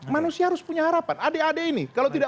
manusia harus punya harapan adik adik ini kalau tidak